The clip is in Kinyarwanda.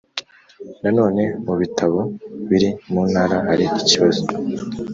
Nanone mu bitabo biri mu ntara hari ikibazo